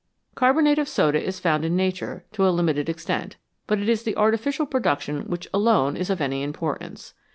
Carbonate of soda is found in nature to a limited extent, but it is the artificial production which alone is of any importance.